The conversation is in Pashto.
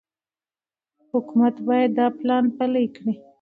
حکومت باید دا پلان پلي کړي.